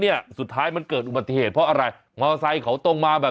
เนี่ยอีอ่อนี่เขาได้แต่นี้เค